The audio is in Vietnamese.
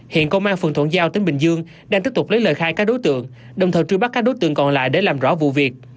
hiện công an phường thuận giao tỉnh bình dương đang tiếp tục lấy lời khai các đối tượng đồng thời truy bắt các đối tượng còn lại để làm rõ vụ việc